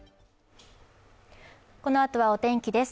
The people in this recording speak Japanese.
このあとはお天気です。